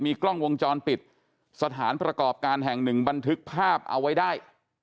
กล้องวงจรปิดสถานประกอบการแห่งหนึ่งบันทึกภาพเอาไว้ได้